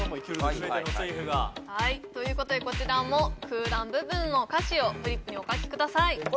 すべての水夫がということでこちらも空欄部分の歌詞をフリップにお書きください